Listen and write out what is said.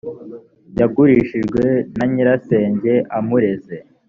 yagurishijwe na nyirasenge amureze